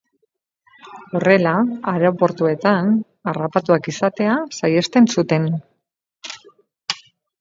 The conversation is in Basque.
Horrela, aireportuetan harrapatuak izatea saihesten zuten.